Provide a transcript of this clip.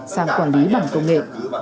sang quản lý bằng công nghệ